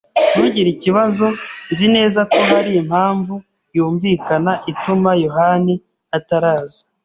Ntugire ikibazo. Nzi neza ko hari impamvu yumvikana ituma yohani ataraza.